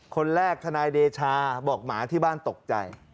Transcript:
คนแรกทนายเดชาบอกหมาที่บ้านตกใจ